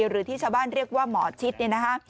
หรือที่ชาวบ้านเรียกว่าหมอชิดเนี่ยนะคะ